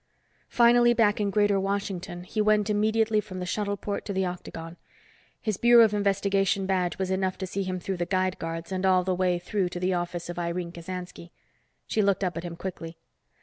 Finally back in Greater Washington, he went immediately from the shuttleport to the Octagon. His Bureau of Investigation badge was enough to see him through the guide guards and all the way through to the office of Irene Kasansky. She looked up at him quickly.